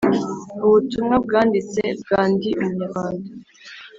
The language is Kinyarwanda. Ubutumwa bwanditse bwa Ndi Umunyarwanda